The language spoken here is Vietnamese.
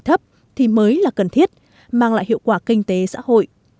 thấp thì mới là cần thiết mang lại hiệu quả kinh tế xã hội